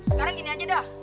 sekarang gini aja dah